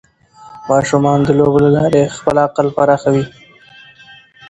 ماشومان د لوبو له لارې خپل عقل پراخوي.